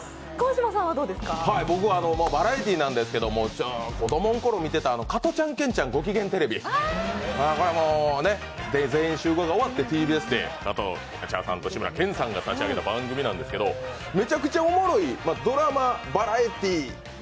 僕、バラエティーなんですけど、子供のころ見てた「加トちゃんケンちゃんごきげんテレビ」、これは「全員集合」が終わってＴＢＳで加藤茶さんと志村けんさんが立ち上げた番組なんですけどめちゃくちゃおもろい、ドラマバラエティー。